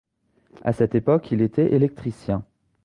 À cette époque il était électricien.